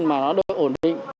mà nó đều ổn định